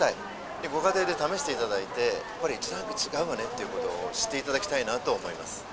で、ご家庭で試していただいて、１ランク違うわねということを知っていただきたいなと思います。